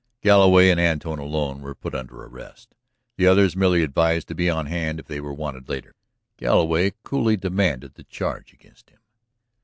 Galloway and Antone alone were put under arrest, the others merely advised to be on hand if they were wanted later. Galloway coolly demanded the charge against him.